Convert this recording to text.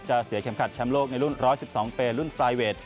จะเสียเข็มขัดชำโลกในรุ่น๑๑๒เปรย์รุ่นไฟเวท